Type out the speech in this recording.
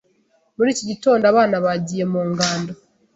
Muri iki gitondo, abana bagiye mu ngando.